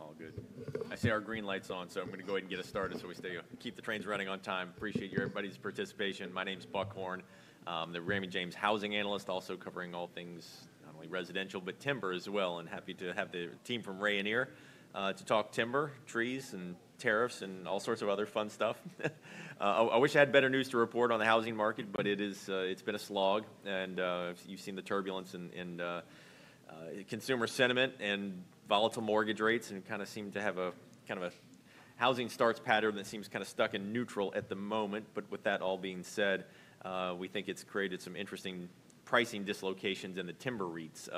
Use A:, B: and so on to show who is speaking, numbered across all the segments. A: All good. I see our green lights on, so I'm going to go ahead and get us started so we keep the trains running on time. Appreciate everybody's participation. My name's Buck Horne, the Raymond James Housing Analyst, also covering all things not only residential but timber as well. Happy to have the team from Rayonier to talk timber, trees, and tariffs, and all sorts of other fun stuff. I wish I had better news to report on the housing market, but it's been a slog. You've seen the turbulence in consumer sentiment and volatile mortgage rates, and kind of seem to have a kind of a housing starts pattern that seems kind of stuck in neutral at the moment. But with that all being said, we think it's created some interesting pricing dislocations in the timber REITs,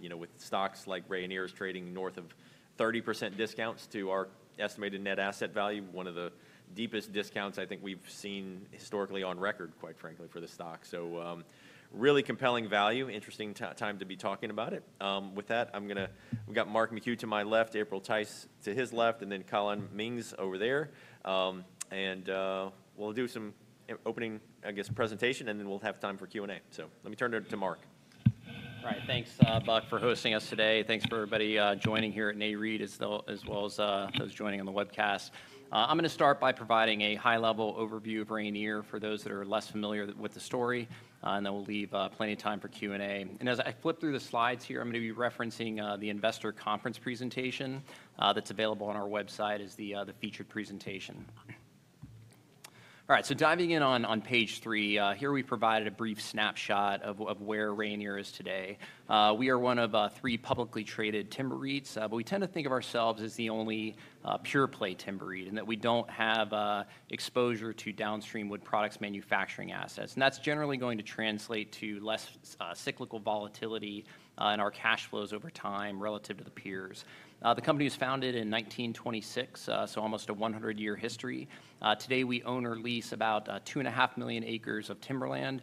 A: you know, with stocks like Rayonier's trading north of 30% discounts to our estimated net asset value, one of the deepest discounts I think we've seen historically on record, quite frankly, for the stock. Really compelling value, interesting time to be talking about it. With that, I'm going to—we've got Mark McHugh to my left, April Tice to his left, and then Collin Mings over there. We'll do some opening, I guess, presentation, and then we'll have time for Q&A. Let me turn it over to Mark.
B: All right. Thanks, Buck, for hosting us today. Thanks for everybody joining here at Nareit as well as those joining on the webcast. I'm going to start by providing a high-level overview of Rayonier for those that are less familiar with the story, and then we'll leave plenty of time for Q&A. As I flip through the slides here, I'm going to be referencing the investor conference presentation that's available on our website as the featured presentation. All right. Diving in on page three, here we provide a brief snapshot of where Rayonier is today. We are one of three publicly traded timber REITs, but we tend to think of ourselves as the only pure play timber REIT in that we don't have exposure to downstream wood products manufacturing assets. That is generally going to translate to less cyclical volatility in our cash flows over time relative to the peers. The company was founded in 1926, so almost a 100-year history. Today, we own or lease about 2.5 million acres of timberland,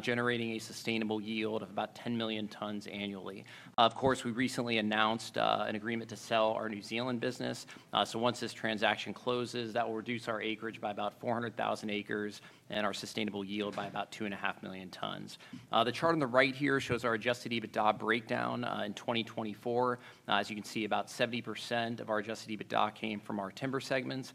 B: generating a sustainable yield of about 10 million tons annually. Of course, we recently announced an agreement to sell our New Zealand business. Once this transaction closes, that will reduce our acreage by about 400,000 acres and our sustainable yield by about 2.5 million tons. The chart on the right here shows our adjusted EBITDA breakdown in 2024. As you can see, about 70% of our adjusted EBITDA came from our timber segments,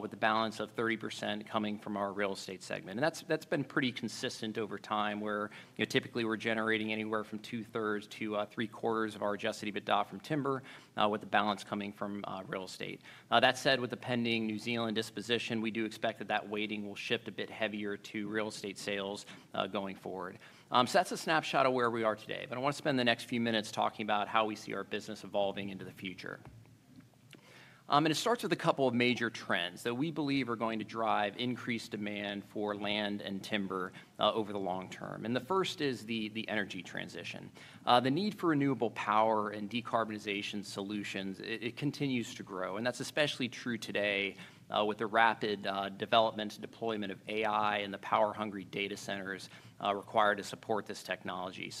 B: with the balance of 30% coming from our real estate segment. That has been pretty consistent over time, where typically we are generating anywhere from 2/3 to 3/4 of our adjusted EBITDA from timber, with the balance coming from real estate. That said, with the pending New Zealand disposition, we do expect that that weighting will shift a bit heavier to real estate sales going forward. That is a snapshot of where we are today. I want to spend the next few minutes talking about how we see our business evolving into the future. It starts with a couple of major trends that we believe are going to drive increased demand for land and timber over the long-term. The first is the energy transition. The need for renewable power and decarbonization solutions continues to grow. That is especially true today with the rapid development and deployment of AI and the power-hungry data centers required to support this technology.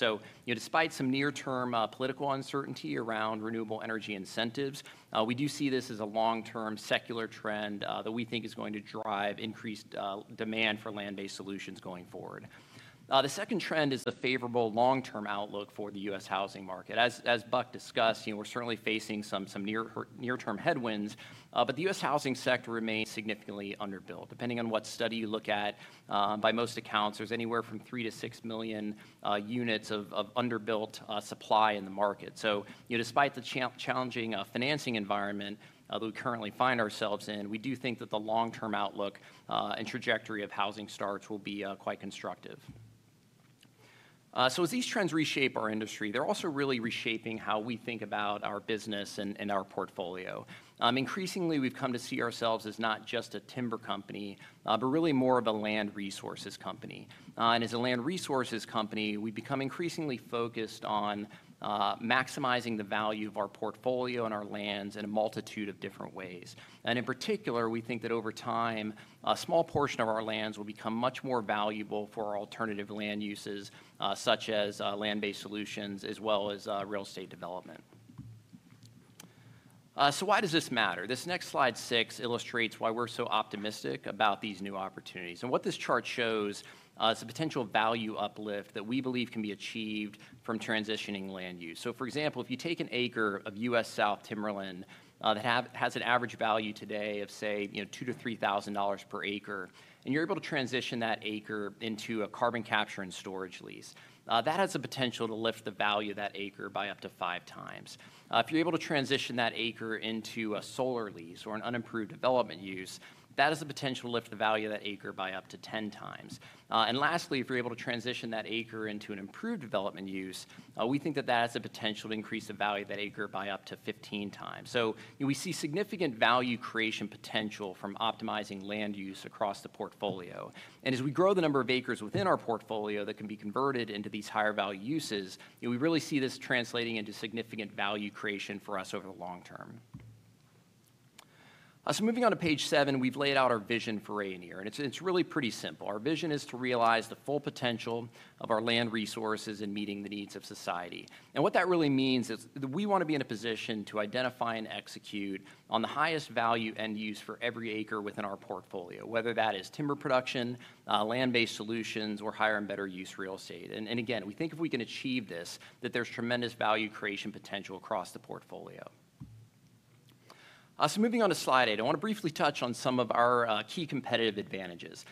B: Despite some near-term political uncertainty around renewable energy incentives, we do see this as a long-term secular trend that we think is going to drive increased demand for land-based solutions going forward. The second trend is the favorable long-term outlook for the U.S. housing market. As Buck discussed, we're certainly facing some near-term headwinds, but the U.S. housing sector remains significantly underbuilt. Depending on what study you look at, by most accounts, there's anywhere from 3-6 million units of underbuilt supply in the market. Despite the challenging financing environment that we currently find ourselves in, we do think that the long-term outlook and trajectory of housing starts will be quite constructive. As these trends reshape our industry, they're also really reshaping how we think about our business and our portfolio. Increasingly, we've come to see ourselves as not just a timber company, but really more of a land resources company. As a land resources company, we become increasingly focused on maximizing the value of our portfolio and our lands in a multitude of different ways. In particular, we think that over time, a small portion of our lands will become much more valuable for our alternative land uses, such as land-based solutions as well as real estate development. Why does this matter? This next slide, six, illustrates why we're so optimistic about these new opportunities. What this chart shows is the potential value uplift that we believe can be achieved from transitioning land use. For example, if you take an acre of U.S. South Timberland that has an average value today of, say, $2,000-$3,000 per acre, and you're able to transition that acre into a carbon capture and storage lease, that has the potential to lift the value of that acre by up to five times. If you're able to transition that acre into a solar lease or an unimproved development use, that has the potential to lift the value of that acre by up to 10 times. Lastly, if you're able to transition that acre into an improved development use, we think that that has the potential to increase the value of that acre by up to 15 times. We see significant value creation potential from optimizing land use across the portfolio. As we grow the number of acres within our portfolio that can be converted into these higher value uses, we really see this translating into significant value creation for us over the long term. Moving on to page seven, we have laid out our vision for Rayonier. It is really pretty simple. Our vision is to realize the full potential of our land resources in meeting the needs of society. What that really means is that we want to be in a position to identify and execute on the highest value end use for every acre within our portfolio, whether that is timber production, land-based solutions, or higher and better use real estate. We think if we can achieve this, there is tremendous value creation potential across the portfolio. Moving on to slide eight, I want to briefly touch on some of our key competitive advantages.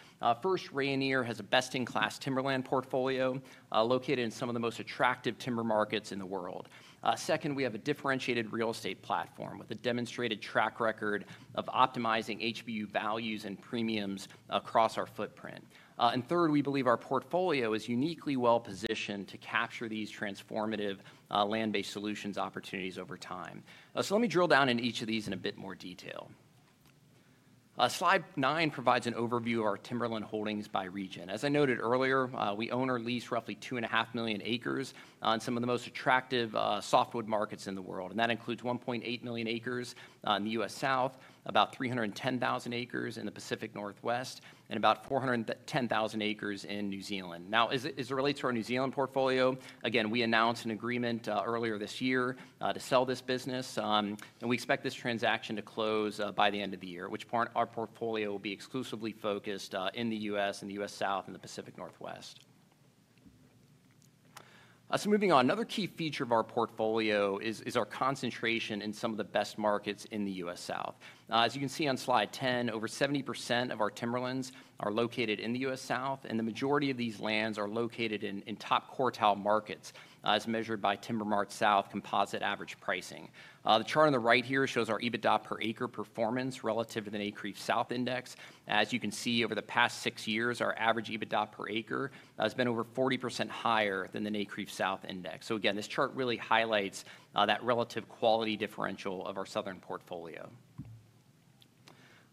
B: First, Rayonier has a best-in-class timberland portfolio located in some of the most attractive timber markets in the world. Second, we have a differentiated real estate platform with a demonstrated track record of optimizing HBU values and premiums across our footprint. Third, we believe our portfolio is uniquely well-positioned to capture these transformative land-based solutions opportunities over time. Let me drill down in each of these in a bit more detail. Slide nine provides an overview of our timberland holdings by region. As I noted earlier, we own or lease roughly 2.5 million acres on some of the most attractive softwood markets in the world. That includes 1.8 million acres in the U.S. South, about 310,000 acres in the Pacific Northwest, and about 410,000 acres in New Zealand. Now, as it relates to our New Zealand portfolio, again, we announced an agreement earlier this year to sell this business. We expect this transaction to close by the end of the year, at which point our portfolio will be exclusively focused in the U.S., in the U.S. South, and the Pacific Northwest. Moving on, another key feature of our portfolio is our concentration in some of the best markets in the U.S. South. As you can see on slide 10, over 70% of our timberlands are located in the U.S. South, and the majority of these lands are located in top quartile markets, as measured by TimberMart South Composite Average Pricing. The chart on the right here shows our EBITDA per acre performance relative to the NCREIF South Index. As you can see, over the past six years, our average EBITDA per acre has been over 40% higher than the NCREIF South Index. This chart really highlights that relative quality differential of our southern portfolio.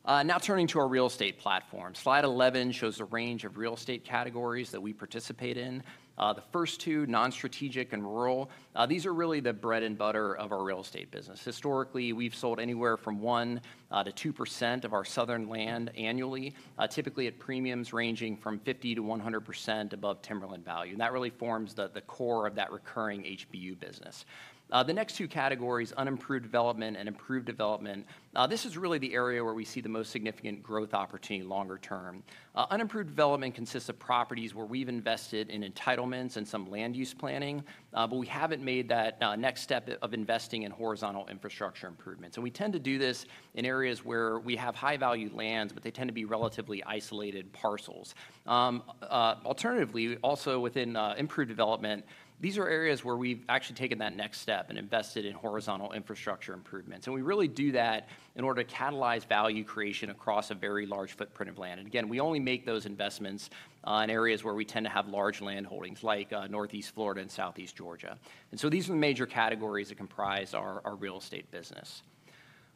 B: Now turning to our real estate platform, slide 11 shows the range of real estate categories that we participate in. The first two, non-strategic and rural, these are really the bread and butter of our real estate business. Historically, we have sold anywhere from 1-2% of our southern land annually, typically at premiums ranging from 50%-100% above timberland value. That really forms the core of that recurring HBU business. The next two categories, unimproved development and improved development, this is really the area where we see the most significant growth opportunity longer term. Unimproved development consists of properties where we've invested in entitlements and some land use planning, but we haven't made that next step of investing in horizontal infrastructure improvements. We tend to do this in areas where we have high-value lands, but they tend to be relatively isolated parcels. Alternatively, also within improved development, these are areas where we've actually taken that next step and invested in horizontal infrastructure improvements. We really do that in order to catalyze value creation across a very large footprint of land. We only make those investments in areas where we tend to have large land holdings, like Northeast Florida and Southeast Georgia. These are the major categories that comprise our real estate business.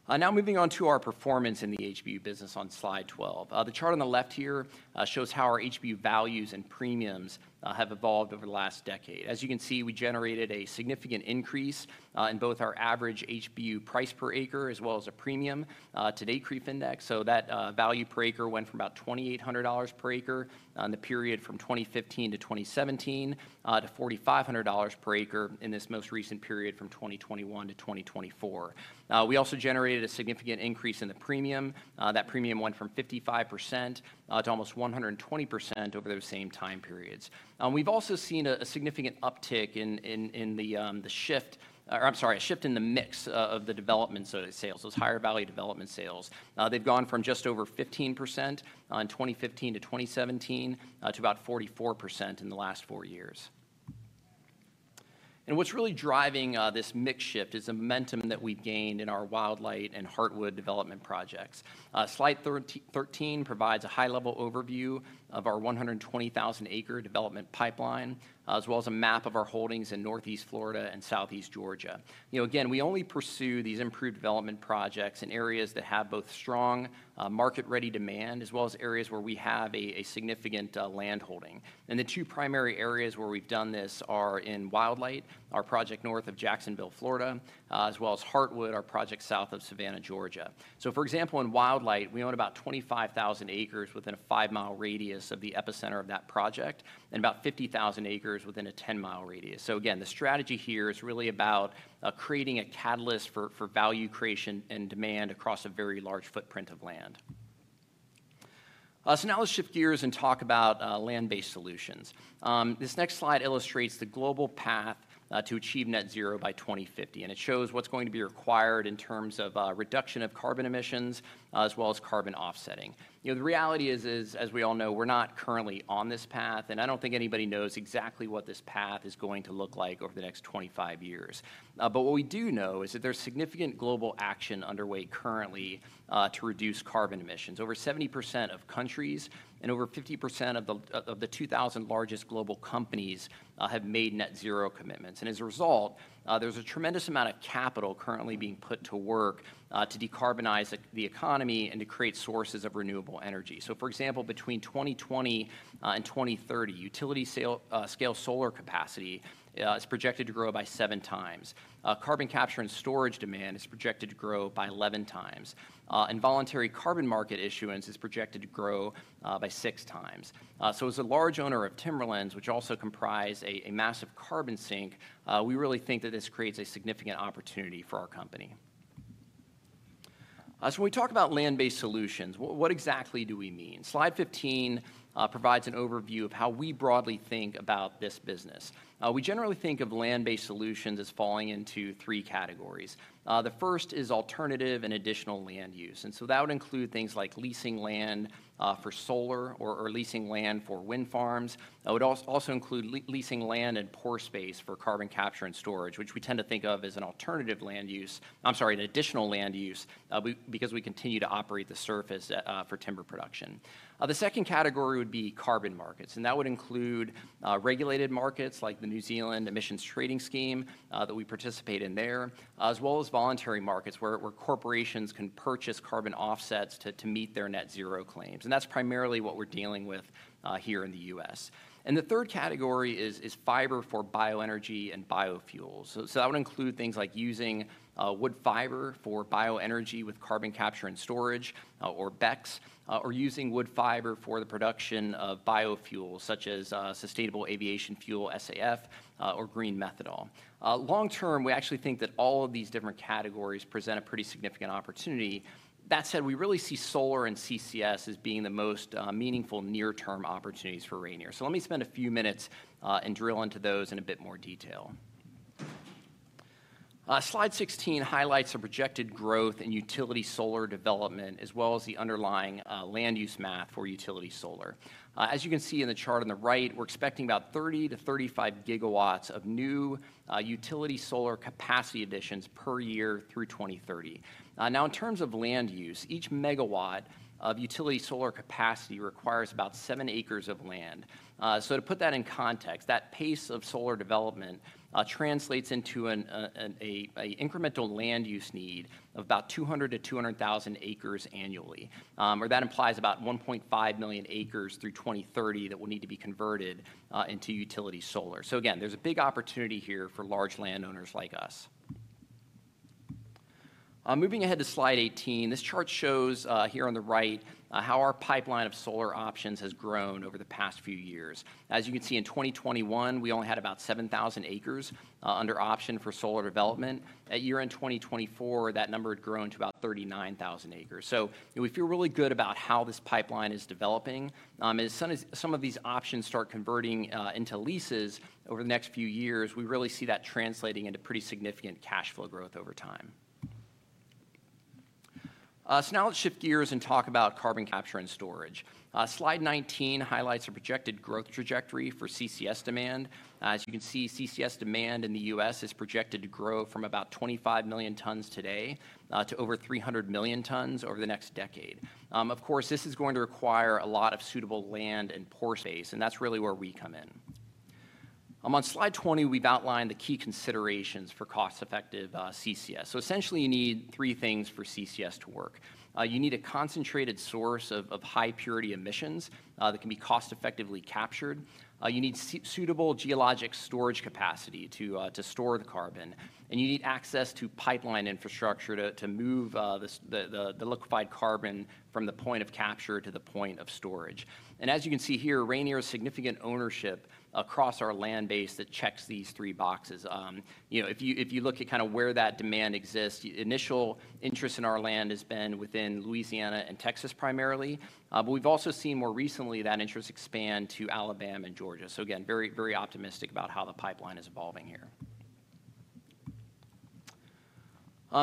B: Now moving on to our performance in the HBU business on slide 12. The chart on the left here shows how our HBU values and premiums have evolved over the last decade. As you can see, we generated a significant increase in both our average HBU price per acre as well as a premium to NCREIFIndex. So that value per acre went from about $2,800 per acre in the period from 2015 to 2017 to $4,500 per acre in this most recent period from 2021 to 2024. We also generated a significant increase in the premium. That premium went from 55% to almost 120% over those same time periods. We've also seen a significant uptick in the shift or, I'm sorry, a shift in the mix of the development sales, those higher value development sales. They've gone from just over 15% in 2015 to 2017 to about 44% in the last four years. What's really driving this mix shift is the momentum that we've gained in our Wildlight and Heartwood development projects. Slide 13 provides a high-level overview of our 120,000-acre development pipeline, as well as a map of our holdings in Northeast Florida and Southeast Georgia. We only pursue these improved development projects in areas that have both strong market-ready demand as well as areas where we have a significant land holding. The two primary areas where we've done this are in Wildlight, our project north of Jacksonville, Florida, as well as Heartwood, our project south of Savannah, Georgia. For example, in Wildlight, we own about 25,000 acres within a five-mile radius of the epicenter of that project and about 50,000 acres within a 10-mile radius. The strategy here is really about creating a catalyst for value creation and demand across a very large footprint of land. Now let's shift gears and talk about land-based solutions. This next slide illustrates the global path to achieve net zero by 2050. It shows what's going to be required in terms of reduction of carbon emissions as well as carbon offsetting. The reality is, as we all know, we're not currently on this path. I don't think anybody knows exactly what this path is going to look like over the next 25 years. What we do know is that there's significant global action underway currently to reduce carbon emissions. Over 70% of countries and over 50% of the 2,000 largest global companies have made net zero commitments. As a result, there's a tremendous amount of capital currently being put to work to decarbonize the economy and to create sources of renewable energy. For example, between 2020 and 2030, utility-scale solar capacity is projected to grow by seven times. Carbon capture and storage demand is projected to grow by 11 times. Voluntary carbon market issuance is projected to grow by six times. As a large owner of timberlands, which also comprise a massive carbon sink, we really think that this creates a significant opportunity for our company. When we talk about land-based solutions, what exactly do we mean? Slide 15 provides an overview of how we broadly think about this business. We generally think of land-based solutions as falling into three categories. The first is alternative and additional land use. That would include things like leasing land for solar or leasing land for wind farms. It would also include leasing land and pore space for carbon capture and storage, which we tend to think of as an alternative land use, I'm sorry, an additional land use because we continue to operate the surface for timber production. The second category would be carbon markets. That would include regulated markets like the New Zealand Emissions Trading Scheme that we participate in there, as well as voluntary markets where corporations can purchase carbon offsets to meet their net zero claims. That is primarily what we are dealing with here in the U.S. The third category is fiber for bioenergy and biofuels. That would include things like using wood fiber for bioenergy with carbon capture and storage, or BECCS, or using wood fiber for the production of biofuels such as sustainable aviation fuel, SAF, or green methanol. Long-term, we actually think that all of these different categories present a pretty significant opportunity. That said, we really see solar and CCS as being the most meaningful near-term opportunities for Rayonier. Let me spend a few minutes and drill into those in a bit more detail. Slide 16 highlights the projected growth in utility solar development as well as the underlying land use math for utility solar. As you can see in the chart on the right, we're expecting about 30 GW-35 GW of new utility solar capacity additions per year through 2030. Now, in terms of land use, each megawatt of utility solar capacity requires about seven acres of land. To put that in context, that pace of solar development translates into an incremental land use need of about 200-200,000 acres annually. That implies about 1.5 million acres through 2030 that will need to be converted into utility solar. Again, there is a big opportunity here for large landowners like us. Moving ahead to slide 18, this chart shows here on the right how our pipeline of solar options has grown over the past few years. As you can see, in 2021, we only had about 7,000 acres under option for solar development. At year-end 2024, that number had grown to about 39,000 acres. We feel really good about how this pipeline is developing. As some of these options start converting into leases over the next few years, we really see that translating into pretty significant cash flow growth over time. Now let's shift gears and talk about carbon capture and storage. Slide 19 highlights a projected growth trajectory for CCS demand. As you can see, CCS demand in the U.S. is projected to grow from about 25 million tons today to over 300 million tons over the next decade. Of course, this is going to require a lot of suitable land and pore space, and that's really where we come in. On slide 20, we've outlined the key considerations for cost-effective CCS. Essentially, you need three things for CCS to work. You need a concentrated source of high-purity emissions that can be cost-effectively captured. You need suitable geologic storage capacity to store the carbon. You need access to pipeline infrastructure to move the liquefied carbon from the point of capture to the point of storage. As you can see here, Rayonier has significant ownership across our land base that checks these three boxes. If you look at kind of where that demand exists, initial interest in our land has been within Louisiana and Texas primarily. We have also seen more recently that interest expand to Alabama and Georgia. Very optimistic about how the pipeline is evolving here.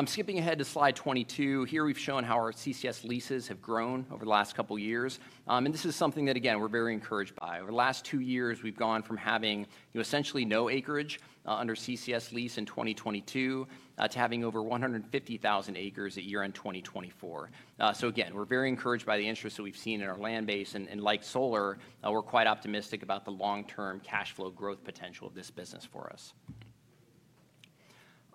B: Skipping ahead to slide 22, here we have shown how our CCS leases have grown over the last couple of years. This is something that, again, we are very encouraged by. Over the last two years, we have gone from having essentially no acreage under CCS lease in 2022 to having over 150,000 acres at year-end 2024. We're very encouraged by the interest that we've seen in our land base. Like solar, we're quite optimistic about the long-term cash flow growth potential of this business for us.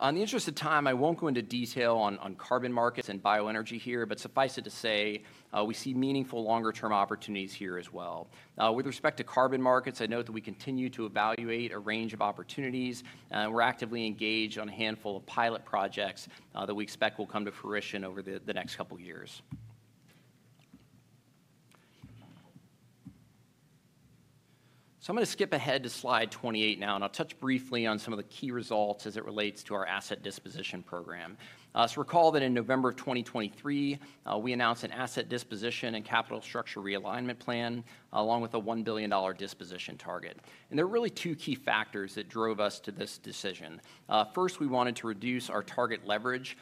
B: In the interest of time, I won't go into detail on carbon markets and bioenergy here, but suffice it to say we see meaningful longer-term opportunities here as well. With respect to carbon markets, I note that we continue to evaluate a range of opportunities. We're actively engaged on a handful of pilot projects that we expect will come to fruition over the next couple of years. I'm going to skip ahead to slide 28 now, and I'll touch briefly on some of the key results as it relates to our asset disposition program. Recall that in November of 2023, we announced an asset disposition and capital structure realignment plan along with a $1 billion disposition target. There were really two key factors that drove us to this decision. First, we wanted to reduce our target leverage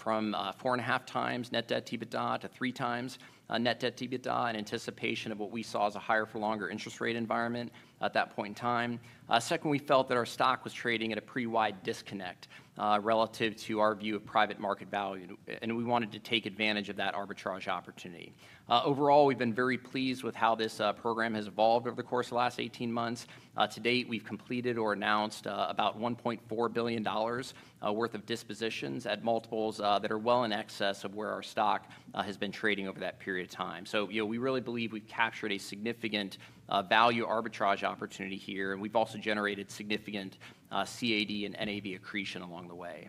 B: from four and a half times net debt to EBITDA to three times net debt to EBITDA in anticipation of what we saw as a higher-for-longer interest rate environment at that point in time. Second, we felt that our stock was trading at a pretty wide disconnect relative to our view of private market value. We wanted to take advantage of that arbitrage opportunity. Overall, we've been very pleased with how this program has evolved over the course of the last 18 months. To date, we've completed or announced about $1.4 billion worth of dispositions at multiples that are well in excess of where our stock has been trading over that period of time. We really believe we've captured a significant value arbitrage opportunity here. We've also generated significant CAD and NAV accretion along the way.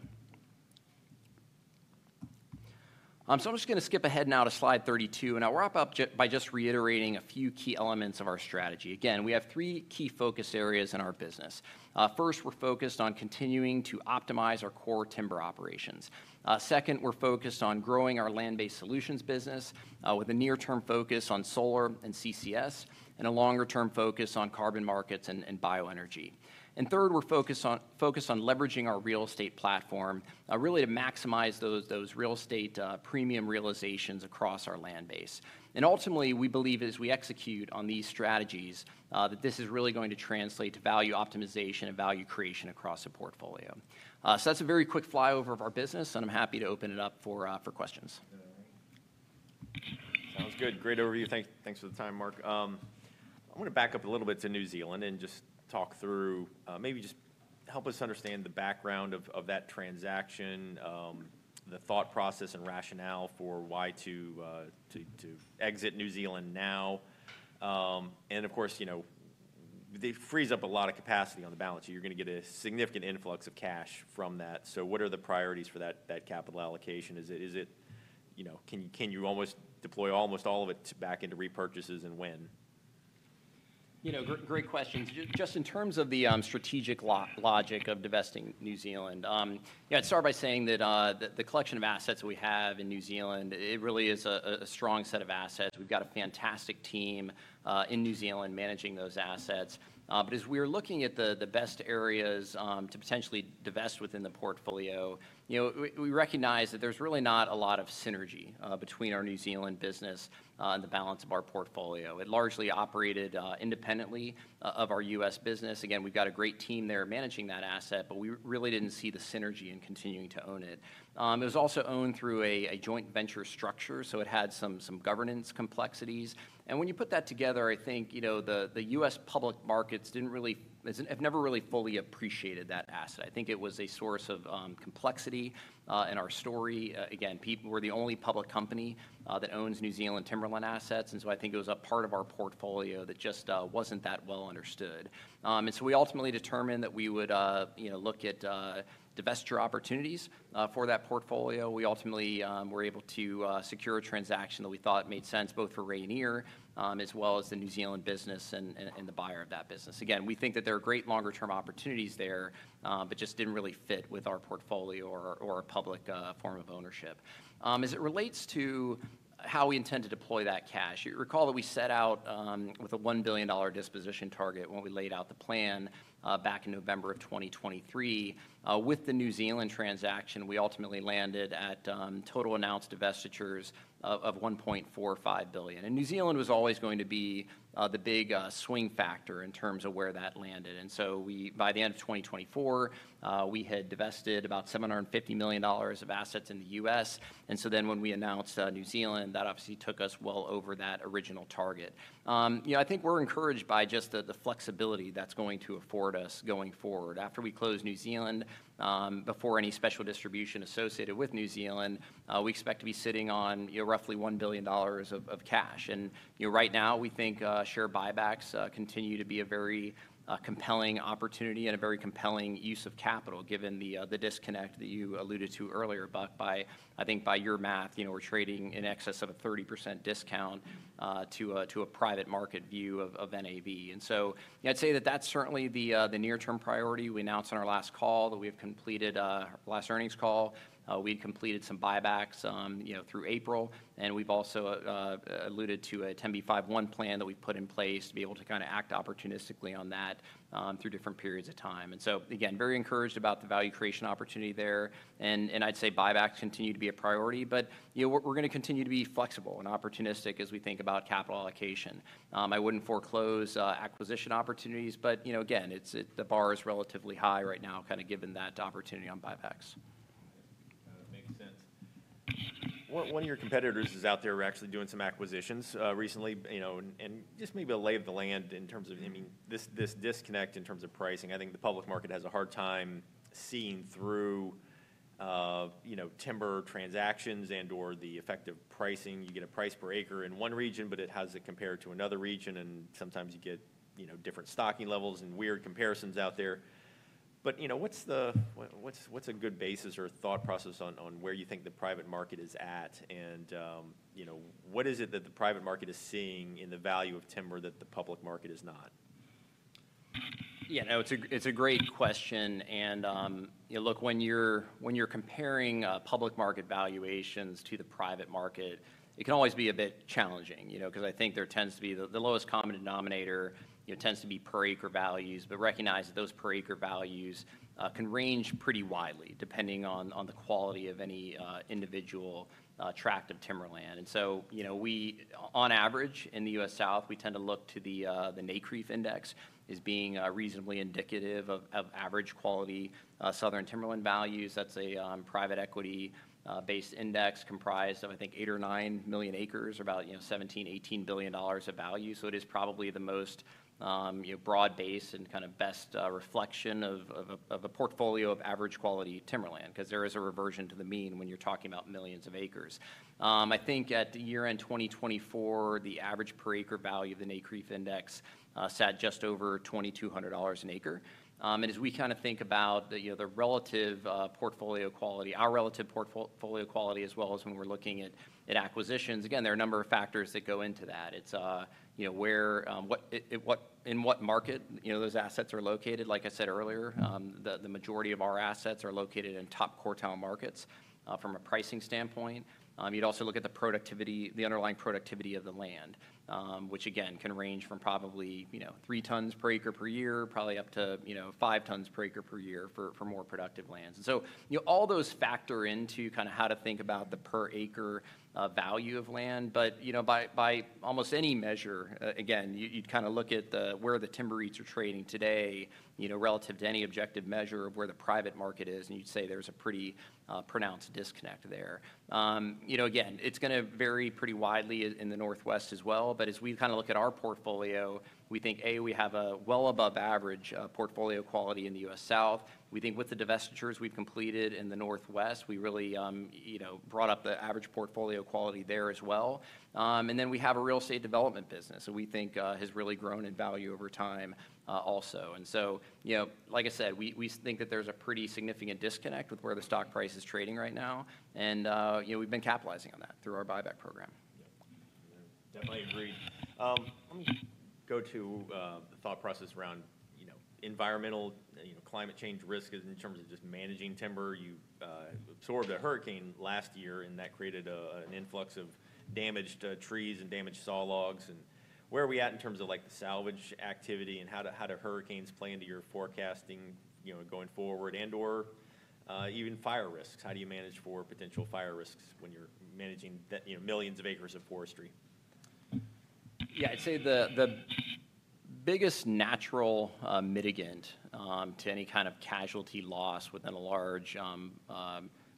B: I'm just going to skip ahead now to slide 32. I'll wrap up by just reiterating a few key elements of our strategy. Again, we have three key focus areas in our business. First, we're focused on continuing to optimize our core timber operations. Second, we're focused on growing our land-based solutions business with a near-term focus on solar and CCS and a longer-term focus on carbon markets and bioenergy. Third, we're focused on leveraging our real estate platform really to maximize those real estate premium realizations across our land base. Ultimately, we believe as we execute on these strategies that this is really going to translate to value optimization and value creation across the portfolio. That is a very quick flyover of our business, and I am happy to open it up for questions.
A: Sounds good. Great overview. Thanks for the time, Marc. I'm going to back up a little bit to New Zealand and just talk through maybe just help us understand the background of that transaction, the thought process, and rationale for why to exit New Zealand now. Of course, that frees up a lot of capacity on the balance sheet. You're going to get a significant influx of cash from that. What are the priorities for that capital allocation? Can you almost deploy almost all of it back into repurchases and when?
C: Great questions. Just in terms of the strategic logic of divesting New Zealand, I'd start by saying that the collection of assets we have in New Zealand, it really is a strong set of assets. We've got a fantastic team in New Zealand managing those assets. As we are looking at the best areas to potentially divest within the portfolio, we recognize that there's really not a lot of synergy between our New Zealand business and the balance of our portfolio. It largely operated independently of our U.S. business. Again, we've got a great team there managing that asset, but we really didn't see the synergy in continuing to own it. It was also owned through a joint venture structure, so it had some governance complexities. When you put that together, I think the U.S. public markets have never really fully appreciated that asset. I think it was a source of complexity in our story. Again, we're the only public company that owns New Zealand timberland assets. I think it was a part of our portfolio that just wasn't that well understood. We ultimately determined that we would look at divesture opportunities for that portfolio. We ultimately were able to secure a transaction that we thought made sense both for Rayonier as well as the New Zealand business and the buyer of that business. Again, we think that there are great longer-term opportunities there, but just didn't really fit with our portfolio or public form of ownership. As it relates to how we intend to deploy that cash, you recall that we set out with a $1 billion disposition target when we laid out the plan back in November of 2023. With the New Zealand transaction, we ultimately landed at total announced divestitures of $1.45 billion. New Zealand was always going to be the big swing factor in terms of where that landed. By the end of 2024, we had divested about $750 million of assets in the U.S. When we announced New Zealand, that obviously took us well over that original target. I think we're encouraged by just the flexibility that's going to afford us going forward. After we close New Zealand, before any special distribution associated with New Zealand, we expect to be sitting on roughly $1 billion of cash. Right now, we think share buybacks continue to be a very compelling opportunity and a very compelling use of capital given the disconnect that you alluded to earlier, Buck. I think by your math, we're trading in excess of a 30% discount to a private market view of NAV. I'd say that that's certainly the near-term priority. We announced on our last call that we have completed our last earnings call. We'd completed some buybacks through April. We've also alluded to a 10b5-1 plan that we've put in place to be able to kind of act opportunistically on that through different periods of time. Again, very encouraged about the value creation opportunity there. I'd say buybacks continue to be a priority. We're going to continue to be flexible and opportunistic as we think about capital allocation. I wouldn't foreclose acquisition opportunities. Again, the bar is relatively high right now kind of given that opportunity on buybacks.
A: Makes sense. One of your competitors is out there actually doing some acquisitions recently. Just maybe a lay of the land in terms of this disconnect in terms of pricing. I think the public market has a hard time seeing through timber transactions and/or the effective pricing. You get a price per acre in one region, but it has to compare to another region. Sometimes you get different stocking levels and weird comparisons out there. What's a good basis or thought process on where you think the private market is at? What is it that the private market is seeing in the value of timber that the public market is not?
C: Yeah, no, it's a great question. Look, when you're comparing public market valuations to the private market, it can always be a bit challenging because I think there tends to be the lowest common denominator tends to be per acre values. Recognize that those per acre values can range pretty widely depending on the quality of any individual tract of timberland. On average in the U.S. South, we tend to look to the NCREIF South Index as being reasonably indicative of average qualitySsouthern Timberland values. That's a private equity-based index comprised of, I think, 8 or 9 million acres, about $17 billion-$18 billion of value. It is probably the most broad base and kind of best reflection of a portfolio of average quality timberland because there is a reversion to the mean when you're talking about millions of acres. I think at year-end 2024, the average per acre value of the NCREIF South Index sat just over $2,200 an acre. As we kind of think about the relative portfolio quality, our relative portfolio quality as well as when we're looking at acquisitions, again, there are a number of factors that go into that. It's in what market those assets are located. Like I said earlier, the majority of our assets are located in top quartile markets from a pricing standpoint. You'd also look at the underlying productivity of the land, which again can range from probably 3 tons per acre per year, probably up to 5 tons per acre per year for more productive lands. All those factor into kind of how to think about the per acre value of land. By almost any measure, again, you'd kind of look at where the timber REITs are trading today relative to any objective measure of where the private market is. You'd say there's a pretty pronounced disconnect there. It's going to vary pretty widely in the Northwest as well. As we kind of look at our portfolio, we think, A, we have a well above average portfolio quality in the U.S. South. We think with the divestitures we've completed in the Northwest, we really brought up the average portfolio quality there as well. We have a real estate development business that we think has really grown in value over time also. Like I said, we think that there's a pretty significant disconnect with where the stock price is trading right now. We've been capitalizing on that through our buyback program.
A: Definitely agree. Let me go to the thought process around environmental climate change risk in terms of just managing timber. You absorbed a hurricane last year, and that created an influx of damaged trees and damaged saw logs. Where are we at in terms of the salvage activity and how do hurricanes play into your forecasting going forward and/or even fire risks? How do you manage for potential fire risks when you're managing millions of acres of forestry?
C: Yeah, I'd say the biggest natural mitigant to any kind of casualty loss within a large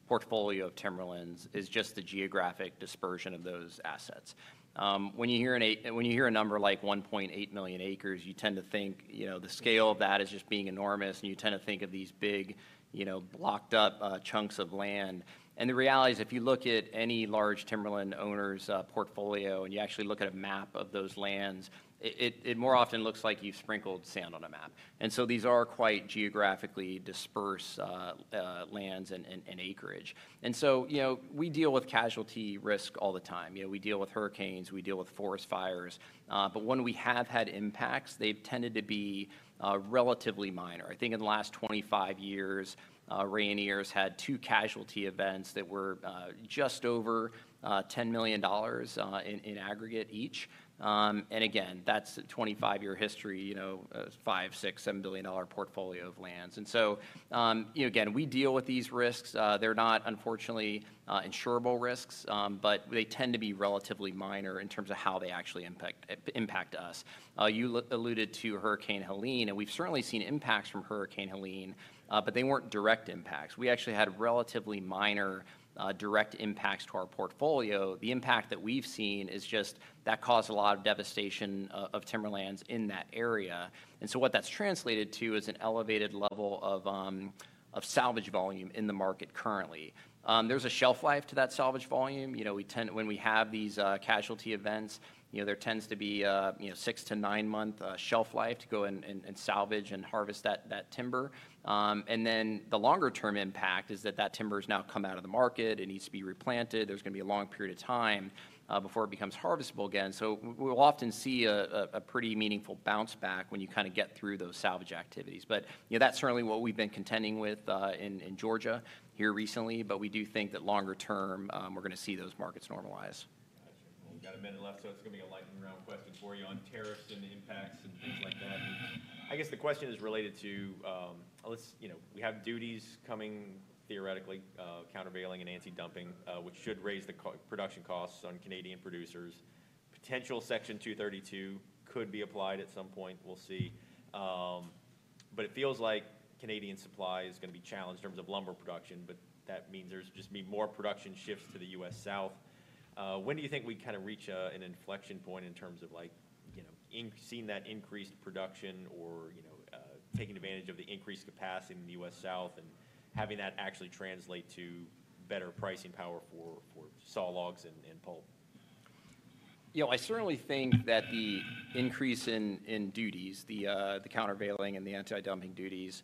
C: portfolio of timberlands is just the geographic dispersion of those assets. When you hear a number like 1.8 million acres, you tend to think the scale of that is just being enormous. You tend to think of these big locked-up chunks of land. The reality is if you look at any large timberland owner's portfolio and you actually look at a map of those lands, it more often looks like you've sprinkled sand on a map. These are quite geographically dispersed lands and acreage. We deal with casualty risk all the time. We deal with hurricanes. We deal with forest fires. When we have had impacts, they've tended to be relatively minor. I think in the last 25 years, Rayonier's had two casualty events that were just over $10 million in aggregate each. Again, that's a 25-year history, $5, $6, $7 billion portfolio of lands. We deal with these risks. They're not, unfortunately, insurable risks, but they tend to be relatively minor in terms of how they actually impact us. You alluded to Hurricane Helene, and we've certainly seen impacts from Hurricane Helene, but they weren't direct impacts. We actually had relatively minor direct impacts to our portfolio. The impact that we've seen is just that caused a lot of devastation of timberlands in that area. What that's translated to is an elevated level of salvage volume in the market currently. There's a shelf life to that salvage volume. When we have these casualty events, there tends to be a 6-9 month shelf life to go and salvage and harvest that timber. The longer-term impact is that that timber has now come out of the market. It needs to be replanted. There is going to be a long period of time before it becomes harvestable again. We will often see a pretty meaningful bounce back when you kind of get through those salvage activities. That is certainly what we have been contending with in Georgia here recently. We do think that longer-term, we are going to see those markets normalize.
A: Gotcha. We've got a minute left, so it's going to be a lightning round question for you on tariffs and impacts and things like that. I guess the question is related to we have duties coming theoretically, countervailing and anti-dumping, which should raise the production costs on Canadian producers. Potential Section 232 could be applied at some point. We'll see. It feels like Canadian supply is going to be challenged in terms of lumber production. That means there's just going to be more production shifts to the U.S. South. When do you think we kind of reach an inflection point in terms of seeing that increased production or taking advantage of the increased capacity in the U.S. South and having that actually translate to better pricing power for saw logs and pulp?
C: I certainly think that the increase in duties, the countervailing and the anti-dumping duties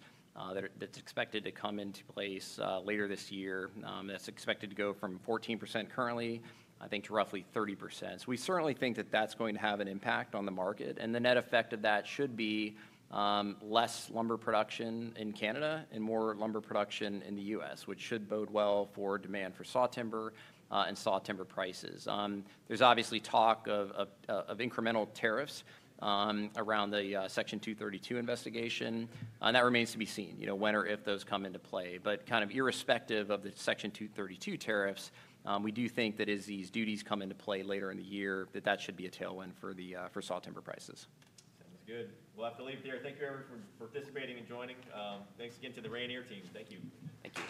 C: that is expected to come into place later this year, that's expected to go from 14% currently, I think, to roughly 30%. We certainly think that that's going to have an impact on the market. The net effect of that should be less lumber production in Canada and more lumber production in the U.S., which should bode well for demand for saw timber and saw timber prices. There is obviously talk of incremental tariffs around the Section 232 investigation. That remains to be seen when or if those come into play. Kind of irrespective of the Section 232 tariffs, we do think that as these duties come into play later in the year, that should be a tailwind for saw timber prices.
A: Sounds good. We'll have to leave it there. Thank you, everyone, for participating and joining. Thanks again to the Rayonier team. Thank you.
B: Thank you.